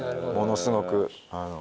ものすごく。